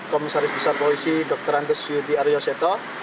komisaris besar polisi dr andes yuti aryoseto